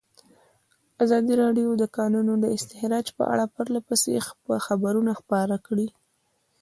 ازادي راډیو د د کانونو استخراج په اړه پرله پسې خبرونه خپاره کړي.